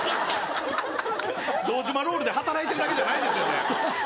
堂島ロールで働いてるだけじゃないですよね？